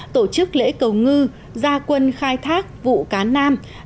tổ chức lễ cầu ngư gia quân khai thác vụ cá nam